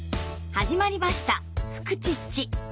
始まりました「フクチッチ」！